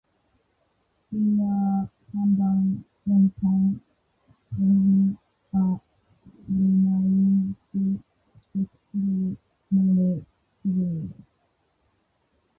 Il a pendant longtemps servi à l'analyse de spectre moléculaire.